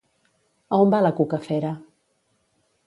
A on va la cucafera?